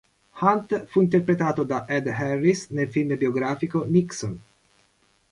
Hunt fu interpretato da Ed Harris nel film biografico "Nixon".